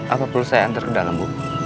apa perlu saya antar ke dalam bu